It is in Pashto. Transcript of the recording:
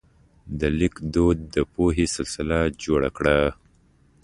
د لیک دود د پوهې سلسله جوړه کړه.